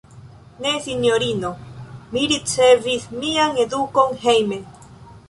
Ne, sinjorino; mi ricevis mian edukon hejme.